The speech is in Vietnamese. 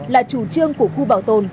là chủ trương của khu bảo tồn